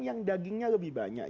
yang dagingnya lebih banyak